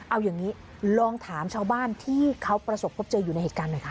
เอาอย่างนี้ลองถามชาวบ้านที่เขาประสบพบเจออยู่ในเหตุการณ์หน่อยค่ะ